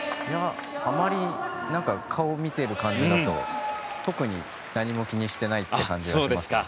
あまり顔を見ている感じだと特に何も気にしてないって感じがします。